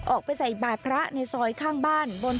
ออกไปใส่บาทพระในซอยข้างบ้าน